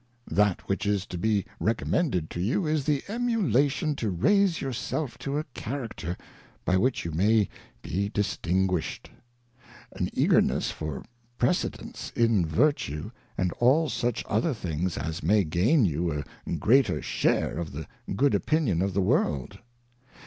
That which is to be recommended to you^ is an Emulation to raise your self to a Character, by which you may be dis tinguished ; an Eagerness for precedence in Vertue, and all such other things as may gain you a greater share of the good opinion of the World.